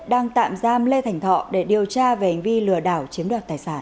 đang tạm giam lê thành thọ để điều tra về hành vi lừa đảo chiếm đoạt tài sản